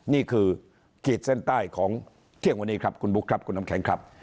ขีดเส้นใต้ของเที่ยงวันนี้ครับคุณบุ๊คครับคุณน้ำแข็งครับ